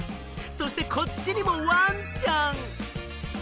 そしてこっちにもわんちゃん！